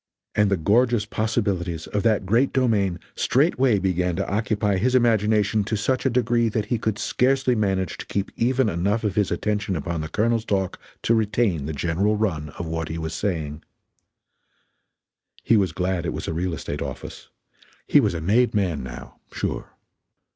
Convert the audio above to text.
And the gorgeous possibilities of that great domain straightway began to occupy his imagination to such a degree that he could scarcely manage to keep even enough of his attention upon the Colonel's talk to retain the general run of what he was saying. He was glad it was a real estate office he was a made man now, sure.